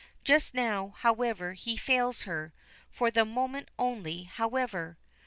Just now, however, he fails her, for the moment only, however.